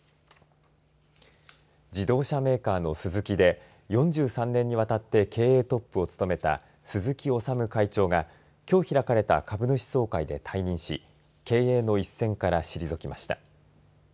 自動車メーカーのスズキで４３年にわたって経営トップを務めた鈴木修会長がきょう開かれた株主総会で退任し経営の一線から退きました。